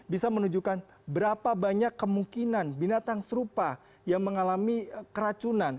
bisa menunjukkan berapa banyak kemungkinan binatang serupa yang mengalami keracunan